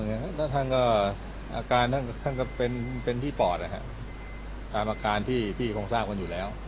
อาการท่านก็เป็นที่ปลอดตามอาการที่พี่คงสร้างมันอยู่แล้ว